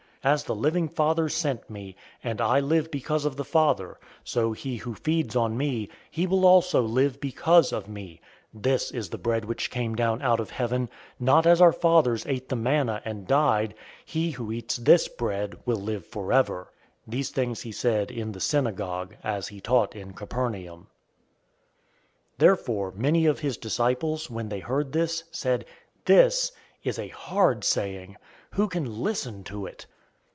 006:057 As the living Father sent me, and I live because of the Father; so he who feeds on me, he will also live because of me. 006:058 This is the bread which came down out of heaven not as our fathers ate the manna, and died. He who eats this bread will live forever." 006:059 These things he said in the synagogue, as he taught in Capernaum. 006:060 Therefore many of his disciples, when they heard this, said, "This is a hard saying! Who can listen to it?"